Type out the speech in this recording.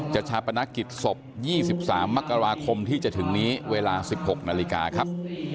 ชาปนกิจศพ๒๓มกราคมที่จะถึงนี้เวลา๑๖นาฬิกาครับ